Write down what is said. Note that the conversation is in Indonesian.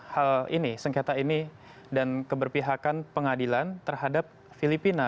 hal ini sengketa ini dan keberpihakan pengadilan terhadap filipina